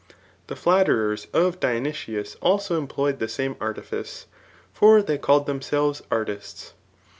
The flatterers of Dionysius also employed the same artifice ; for they called them selves artiSfs.